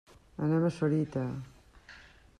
Anem a Sorita.